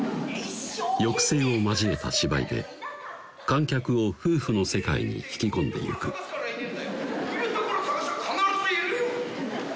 抑制を交えた芝居で観客を夫婦の世界に引き込んでゆく「居る所捜したら必ず居るよ」